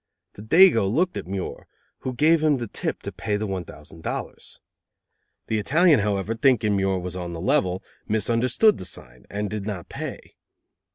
The dago looked at Muir, who gave him the tip to pay the one thousand dollars. The Italian, however, thinking Muir was on the level, misunderstood the sign, and did not pay.